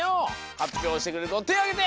はっぴょうしてくれるこてあげて！